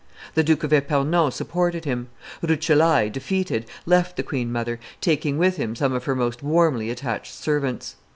The Duke of Epernon supported him; Ruccellai, defeated, left the queen mother, taking with him some of her most warmly attached servants.